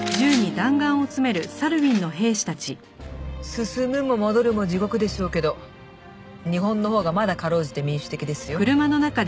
進むも戻るも地獄でしょうけど日本のほうがまだ辛うじて民主的ですよ。